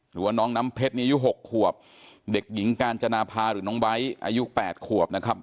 หรือว่าน้องน้ำเพชรอายุ๖ขวบเด็กหญิงกาญจนาภาหรือน้องไบท์อายุ๘ขวบนะครับ